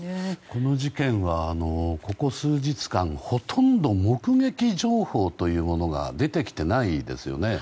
この事件は、ここ数日間ほとんど目撃情報というものが出てきていないですよね。